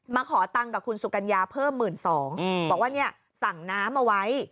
ขอตังค์กับคุณสุกัญญาเพิ่ม๑๒๐๐บอกว่าเนี่ยสั่งน้ำเอาไว้